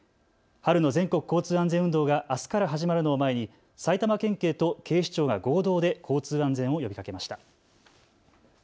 春の全国交通安全運動があすから始まるのを前に埼玉県警と警視庁が合同で交通安全を呼びかけました。